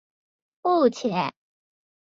他是我父亲